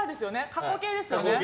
過去形ですよね。